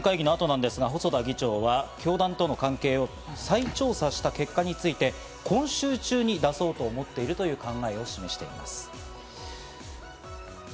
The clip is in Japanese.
細田議長は教団との関係を再調査した結果について今週中に出そうと思っているとの考えを示しています。